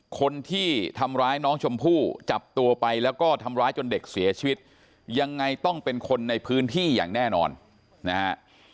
คนที่ทำร้ายน้องชมพู่จับตัวไปแล้วก็ทำร้ายจนเด็กเสียชีวิตยังไงต้องเป็นคนในพื้นที่อย่างแน่นอนนะฮะ